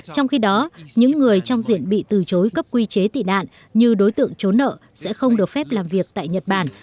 trong khi đó những người trong diện bị từ chối cấp quy chế tị nạn như đối tượng trốn nợ sẽ không được phép làm việc tại nhật bản